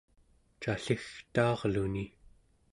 calligtaarluni